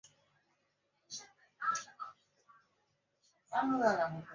该机型最为引人注意的就是旋转镜头和部件可分式的设计。